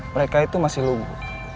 mereka itu masih lugu